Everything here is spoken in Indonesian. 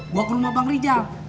gue ke rumah bang rijal